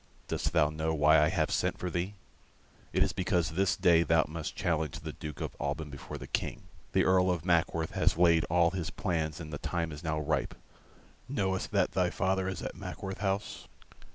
Dost thou know why I have sent for thee? It is because this day thou must challenge the Duke of Alban before the King. The Earl of Mackworth has laid all his plans and the time is now ripe. Knowest that thy father is at Mackworth House?"